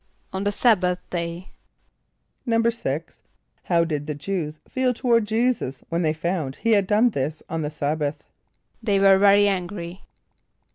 =On the sabbath day.= =6.= How did the Jew[s+] feel toward J[=e]´[s+]us when they found that he had done this on the sabbath? =They were very angry.